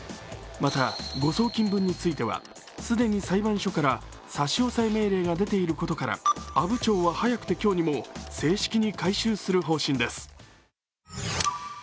また、誤送金分については既に裁判所から差し押さえ命令が出ていることから阿武町は早くて今日にも正式に回収する方針です。